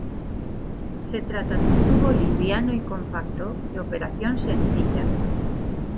Se trata de un tubo liviano y compacto, de operación sencilla.